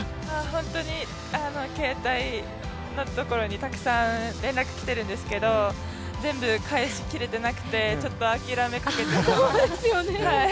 本当に携帯のところにたくさん連絡来ているんですけれども、全部返し切れてなくてちょっと諦めかけていますね。